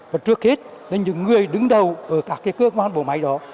và trước hết là những người đứng đầu ở các cơ quan bộ máy đó